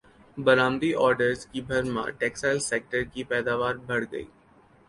برامدی orders کی بھرمار textile سیکٹرکی پیداوار بڑھ گئی